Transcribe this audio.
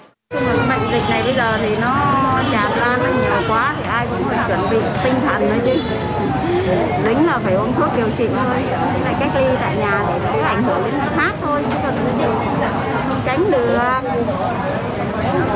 bệnh viện nhi đồng hai tp hcm cho biết qua covid một mươi chín đến khám do và điều trị cho gần một trăm linh trẻ mắc covid một mươi chín